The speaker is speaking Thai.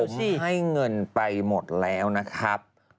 ที่ให้เงินไปหมดแล้วนะครับ